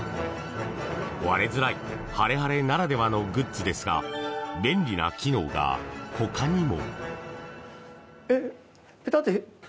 割れづらいハレハレならではのグッズですが便利な機能がほかにも。